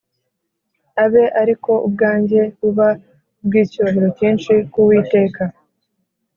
abe ari ko ubwanjye buba ubw’icyubahiro cyinshi ku uwiteka